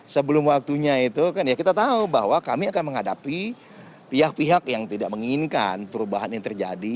sebelum waktunya itu kan ya kita tahu bahwa kami akan menghadapi pihak pihak yang tidak menginginkan perubahan yang terjadi